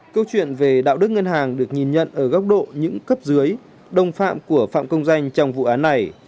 câu chuyện về đạo đức ngân hàng được nhìn nhận ở góc độ những cấp dưới đồng phạm của phạm công danh trong vụ án này